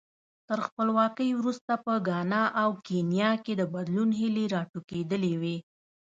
تر خپلواکۍ وروسته په ګانا او کینیا کې د بدلون هیلې راټوکېدلې وې.